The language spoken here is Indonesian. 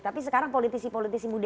tapi sekarang politisi politisi muda